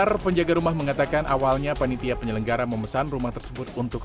r penjaga rumah mengatakan awalnya panitia penyelenggara memesan rumah tersebut untuk